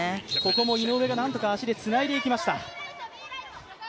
ここも井上が何とか足でつないでいきました。